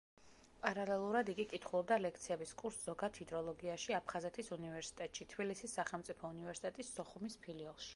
პარალელურად იგი კითხულობდა ლექციების კურსს ზოგად ჰიდროლოგიაში აფხაზეთის უნივერსიტეტში, თბილისის სახელმწიფო უნივერსიტეტის სოხუმის ფილიალში.